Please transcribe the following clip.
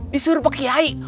disuruh pak kiai